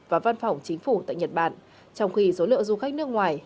và văn phòng chính phủ tại nhật bản trong khi số lượng du khách nước ngoài